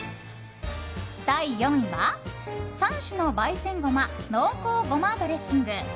第４位は、３種の焙煎ごま濃厚ごまドレッシング。